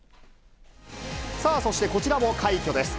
さあ、そしてこちらも快挙です。